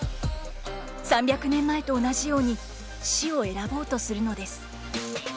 ３００年前と同じように死を選ぼうとするのです。